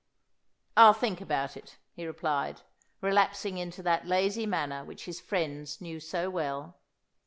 "I'll think about it," he replied, relapsing into that lazy manner which his friends knew so well.